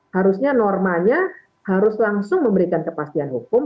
harusnya normanya harus langsung memberikan kepastian hukum